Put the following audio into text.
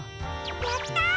やった！